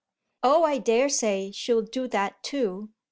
"Oh I daresay she'll do that too!"